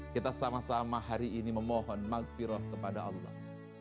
kita sama sama hari ini memohon maghfirah kepada allah